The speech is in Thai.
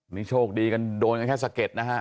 นี่โชคดีกันโดนกันแค่สะเก็ดนะฮะ